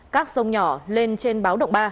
các sông nhỏ lên trên báo động ba